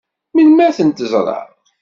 Melmi ad tent-ẓṛeɣ?